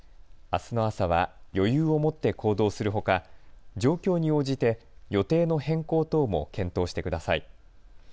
あすの朝は余裕を持って行動するほか状況に応じて予定の変更等も検討してください。